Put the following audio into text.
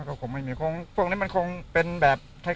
ถ้าโดนอีกแล้วเขาบอก